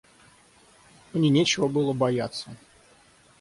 Мне нечего было бояться.